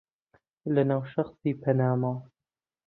لەناو شەخسی پەنا ماڵ